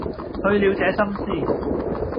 去了這心思，